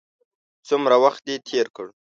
څومره وخت دې تېر کړ.